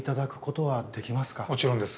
もちろんです。